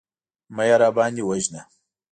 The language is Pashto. مه يې راباندې وژنه.